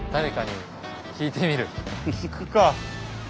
聞くか。